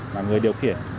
và người điều khiển